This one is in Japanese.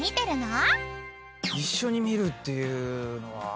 一緒に見るっていうのは。